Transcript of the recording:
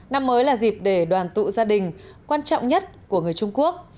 năm mới là dịp để đoàn tụ gia đình quan trọng nhất của người trung quốc